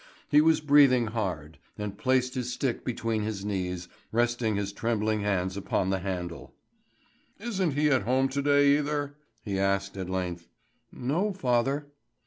He was breathing hard, and placed his stick between his knees, resting his trembling hands upon the handle. "Isn't he at home to day either?" he asked at length. "No, father."